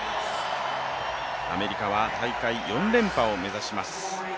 アメリカは大会４連覇を目指します。